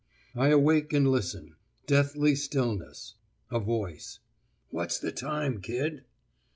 I awake and listen. Deathly stillness. A voice. 'What's the time, kid?